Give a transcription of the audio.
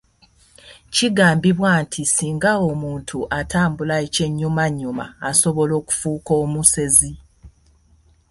Kigambibwa nti singa omuntu atambula ekyennyumannyuma asobola okufuuka omusezi.